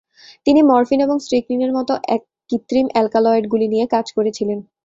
তিনি মরফিন এবং স্ট্রিকনিনের মতো কৃত্রিম অ্যালকালয়েডগুলি নিয়ে কাজ করেছিলেন।